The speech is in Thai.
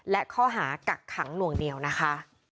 และข้อหากักขังหน่วงเหนียวนะคะ